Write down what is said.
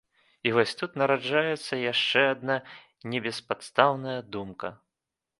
І вось тут нараджаецца яшчэ адна, небеспадстаўная думка.